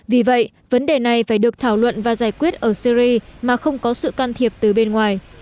vì vậy vấn đề này phải được thảo luận và giải quyết ở syri mà không có sự can thiệp từ bên ngoài